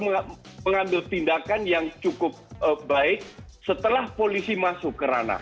baru mengambil tindakan yang cukup baik setelah polisi masuk kerana